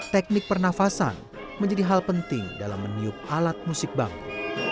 teknik pernafasan menjadi hal penting dalam meniup alat musik bambu